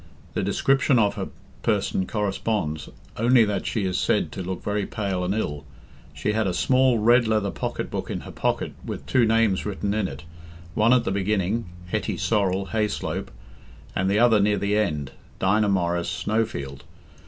The description of her person corresponds, only that she is said to look very pale and ill. She had a small red leather pocket book in her pocket with two names written in it—one at the beginning, 'Hetty Sorrel, Hayslope,' and the other near the end, 'Dinah Morris, Snowfield.